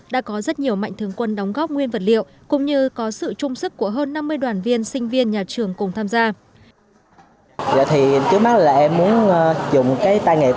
đã có rất nhiều mạnh thường quân đóng góp nguyên vật liệu cũng như có sự trung sức của hơn năm mươi đoàn viên sinh viên nhà trường cùng tham gia